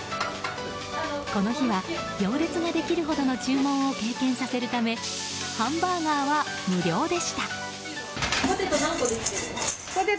この日は行列ができるほどの注文を経験させるためハンバーガーは無料でした。